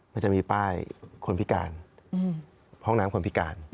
มันจะมีป้ายคนพิการห้องน้ำคนพิการ